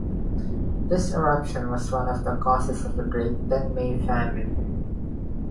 This eruption was one of the causes of the Great Tenmei famine.